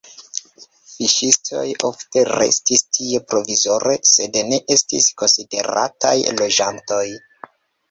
Fiŝistoj ofte restis tie provizore, sed ne estis konsiderataj loĝantoj.